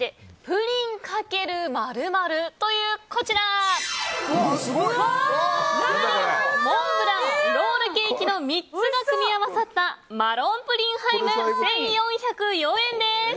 プリン、モンブランロールケーキの３つが組み合わさったマロンプリンハイム１４０４円です。